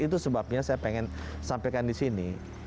itu sebabnya saya ingin sampaikan di sini